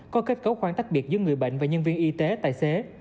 có kết cấu khoan tác biệt giữa người bệnh và nhân viên y tế tài xế